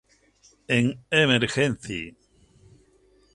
En Emergency!